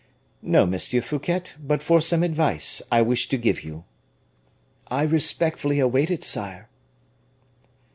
"No, Monsieur Fouquet, but for some advice I wish to give you." "I respectfully await it, sire."